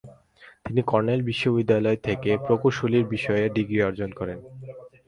তিনি কর্নেল বিশ্ববিদ্যালয় থেকে প্রকৌশল বিষয়ে ডিগ্রি অর্জন করেন।